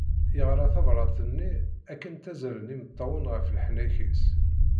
Yeɣra tabrat-nni akken ttazzalen imeṭṭawen ɣef leḥnak-is.